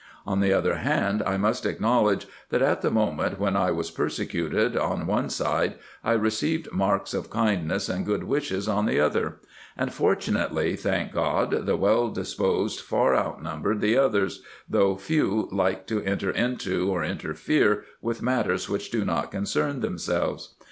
On the other hand, I must acknowledge, that at the moment when I was persecuted on one side, I received marks of kindness and good wishes on the other ; and fortunately, thank God, the well disposed far outnumbered the others, though few like to enter into, or interfere with matters which do not concern themselves.